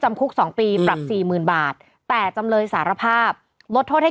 จำคุก๒ปีปรับ๔๐๐๐๐บาทแต่จำเลยสารภาพลดโทษให้